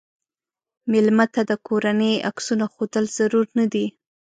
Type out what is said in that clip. مېلمه ته د کورنۍ عکسونه ښودل ضرور نه دي.